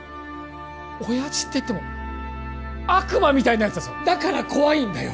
親父っていっても悪魔みたいなやつだぞだから怖いんだよ